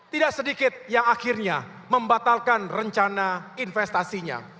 tidak sedikit yang akhirnya membatalkan rencana investasinya